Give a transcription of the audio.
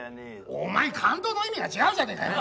お前カンドウの意味が違うじゃねえかよ！